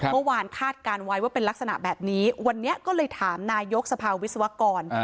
คาดการณ์ไว้ว่าเป็นลักษณะแบบนี้วันนี้ก็เลยถามนายกสภาวิศวกร